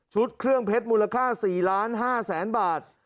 เครื่องเพชรมูลค่า๔๕๐๐๐๐บาท